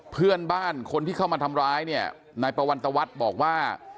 เพื่อนบ้านคนที่เข้ามาทำร้ายเนี่ยนายปวันตวัฒน์บอกว่า